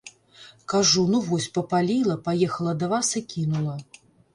Кажу, ну, вось, папаліла, паехала да вас і кінула.